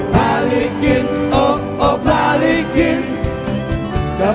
balikin oh oh balikin